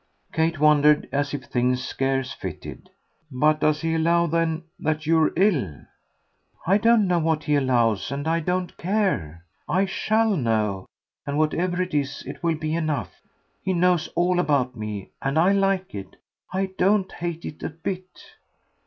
Kate wondered as if things scarce fitted. "But does he allow then that you're ill?" "I don't know what he allows, and I don't care. I SHALL know, and whatever it is it will be enough. He knows all about me, and I like it. I don't hate it a bit."